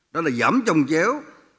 đó là giảm trồng chéo